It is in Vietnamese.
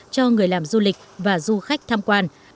cho người làm du lịch và du khách tham quan